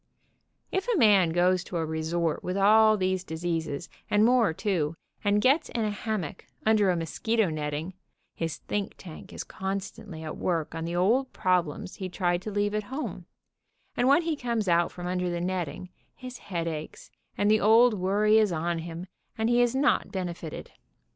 If a man goes to a resort with all these diseases, and more, too, and gets in a hammock, under a mosquito netting, his think tank is constantly at work on the old problems he tried to leave at home, and when he comes out from under the net ting his head aches, and the old worry is on him, and THE OUTING AND THE MOSQUITO 129 he is not benefited.